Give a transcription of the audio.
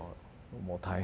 もう大変。